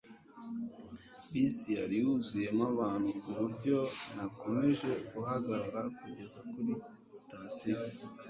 bisi yari yuzuyemo abantu ku buryo nakomeje guhagarara kugeza kuri sitasiyo